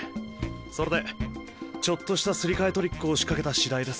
それでちょっとしたすり替えトリックを仕掛けた次第です。